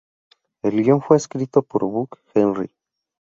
El guion fue escrito por Buck Henry.